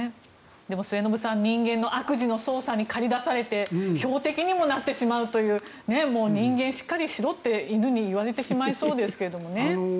でも末延さん人間の悪事の捜査に駆り出されて標的にもなってしまうという人間しっかりしろって、犬に言われてしまいそうですけどね。